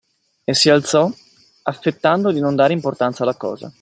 E si alzò, affettando di non dare importanza alla cosa.